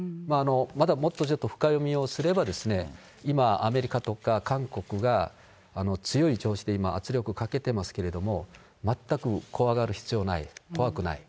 まだもっとちょっと深読みをすればですね、今、アメリカとか、韓国が強い調子で圧力をかけてますけれども、全く怖がる必要はない、怖くない。